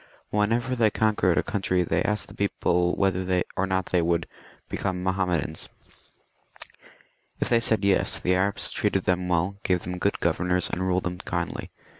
Whenever they conquered a country, they asked the people whether or not they would become Ma ,• VI.] THE MAYORS OF THE PALACE. 31 hommedans. If they said Tes, the Arabs treated them well, gave them good governors, and ruled them kindly.